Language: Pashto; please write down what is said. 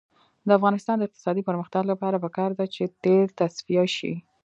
د افغانستان د اقتصادي پرمختګ لپاره پکار ده چې تیل تصفیه شي.